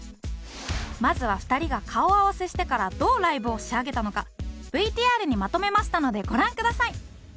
まずは２人が顔合わせしてからどうライブを仕上げたのか ＶＴＲ にまとめましたのでご覧ください